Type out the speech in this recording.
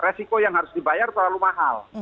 resiko yang harus dibayar terlalu mahal